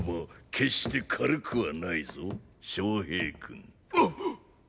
決して軽くはないぞ昌平君。